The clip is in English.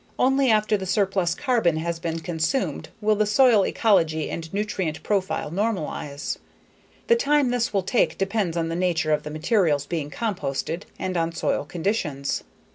Only after the surplus carbon has been consumed will the soil ecology and nutrient profile normalize. The time this will take depends on the nature of the materials being composted and on soil conditions.